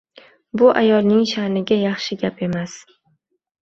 Bu, ayolning sha’niga yaxshi gap emas.